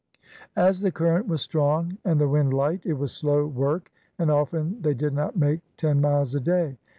As the current was strong and the wind light, it was slow work, and often they did not make ten miles a day.